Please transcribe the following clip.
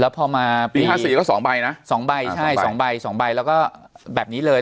แล้วพอมาปีห้าสี่ก็สองใบน่ะสองใบใช่สองใบสองใบแล้วก็แบบนี้เลย